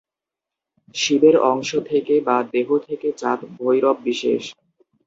শিবের অংশ থেকে বা দেহ থেকে জাত ভৈরববিশেষ।